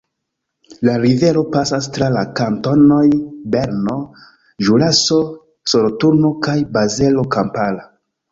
La rivero pasas tra la kantonoj Berno, Ĵuraso, Soloturno kaj Bazelo Kampara.